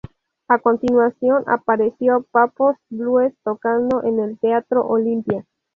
A continuación aparece Pappo's Blues tocando en el Teatro Olimpia.